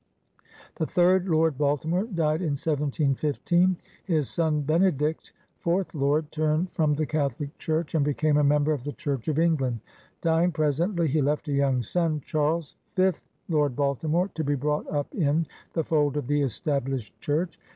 The third Lord Baltimore died in 1715. His son Benedict, fourth lord, turned from the Catholic Church and became a member of the Church of England. Dying presently, he left a young son, Charles, fifth Lord Baltimore, to be brought up in the fold of the Established Church.